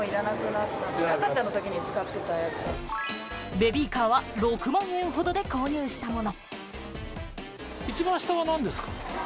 ベビーカーは６万円ほどで購入したもの。